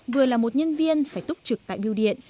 vừa là một nhân viên phải túc trực tại biêu điện